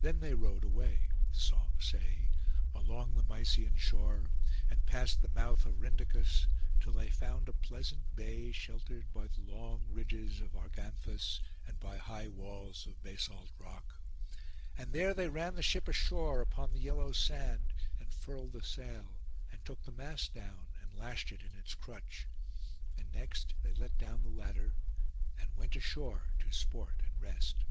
Then they rowed away, the songs say, along the Mysian shore, and past the mouth of Rhindacus, till they found a pleasant bay, sheltered by the long ridges of Arganthus, and by high walls of basalt rock. And there they ran the ship ashore upon the yellow sand, and furled the sail, and took the mast down, and lashed it in its crutch. And next they let down the ladder, and went ashore to sport and rest.